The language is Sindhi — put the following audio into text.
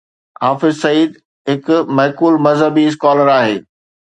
حافظ سعيد هڪ معقول مذهبي اسڪالر آهي.